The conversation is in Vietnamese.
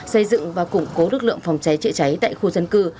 xây dựng và củng cố lực lượng phòng cháy chữa cháy tại khu dân cư